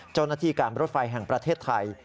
เจ้าหน้าที่การรถไฟแห่งประเทศไทย